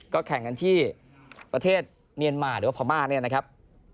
ก็แข่งกันที่ประเทศเมียนมาหรือพรมานนะครับ